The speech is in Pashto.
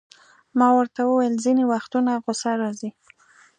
ما ورته وویل: ځیني وختونه غصه راځي.